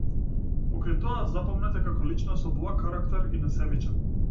Покрај тоа, запомнет е како личност со благ карактер и несебичен.